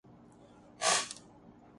پہلے سے بنی ایپلی کیشنز کے جائزے